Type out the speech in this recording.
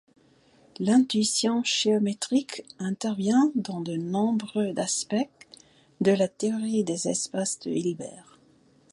L'intuition géométrique intervient dans de nombreux aspects de la théorie des espaces de Hilbert.